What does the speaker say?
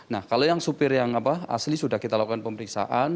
nah kalau yang supir yang asli sudah kita lakukan pemeriksaan